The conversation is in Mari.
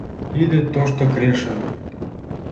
Тиде Тошто Крешын!